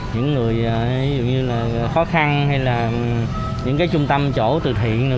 những người khó khăn hay là những trung tâm chỗ từ thiện